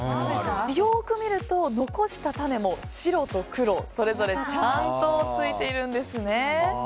よく見ると残した種も、白と黒それぞれちゃんとついているんです。